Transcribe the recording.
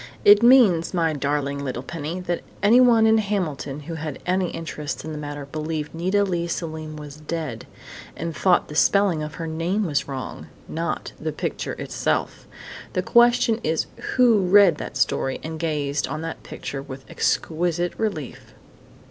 "It means, my darling little Penny, that _anyone in Hamilton who had any interest in the matter believed Nita Leigh Selim was dead, and thought the spelling of her name was wrong, not the picture itself_!... The question is who read that story and gazed on that picture with exquisite relief?"